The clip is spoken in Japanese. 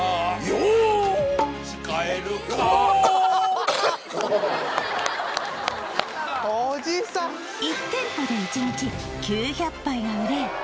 よっ１店舗で１日９００杯が売れ